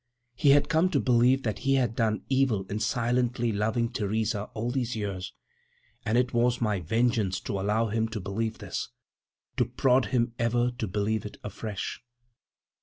He had come to believe that he had done evil in silently loving Theresa all these years, and it was my vengeance to allow him to believe this, to prod him ever to believe it afresh.